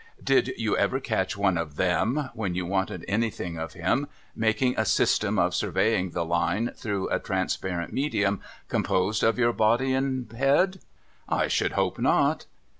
Did you ever catch one of than, when you wanted anything of him, making a system of surveying the Line through a transparent medium com posed of your head and body ? I should hope not.